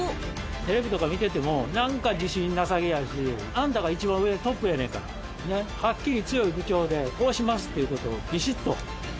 テレビとか見てても、なんか自信なさげやし、あんたが一番上でトップやねんからね、はっきり強い口調で、こうしますっていうことを、びしっと。